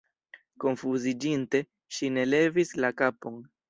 Konfuziĝinte, ŝi ne levis la kapon.